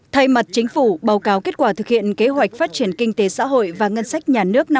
thay mặt chính phủ báo cáo kết quả thực hiện kế hoạch phát triển kinh tế xã hội và ngân sách nhà nước năm hai nghìn hai mươi